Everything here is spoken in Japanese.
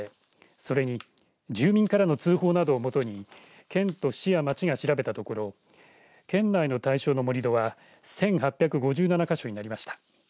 それに、住民からの通報などをもとに県と市や町が調べたところ県内の対象の盛り土は１８５７か所になりました。